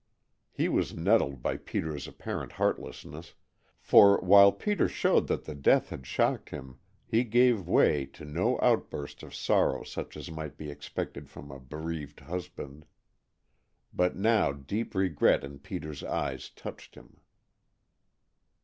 He was nettled by Peter's apparent heartlessness, for while Peter showed that the death had shocked him, he gave way to no outburst of sorrow such as might be expected from a bereaved husband. But now deep regret in Peter's eyes touched him.